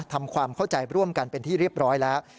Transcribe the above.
ทำความเข้าใจร่วมกันเป็นที่เรียบร้อยแล้ว